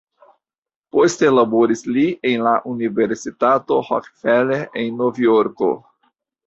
Poste laboris li en la Universitato Rockefeller en Novjorko.